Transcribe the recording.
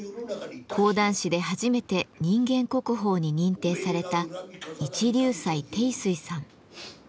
講談師で初めて人間国宝に認定された一龍斎貞水さん。